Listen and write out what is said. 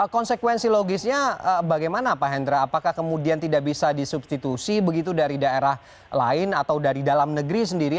konsekuensi logisnya bagaimana pak hendra apakah kemudian tidak bisa disubstitusi begitu dari daerah lain atau dari dalam negeri sendiri